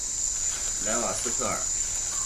莱瓦斯特尔。